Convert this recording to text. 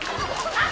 あっ！